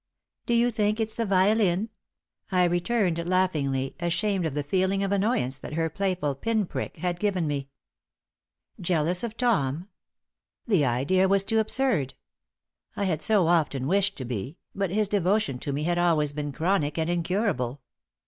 "Do you think it's the violin?" I returned, laughingly, ashamed of the feeling of annoyance that her playful pin prick had given me. Jealous of Tom! The idea was too absurd. I had so often wished to be, but his devotion to me had always been chronic and incurable.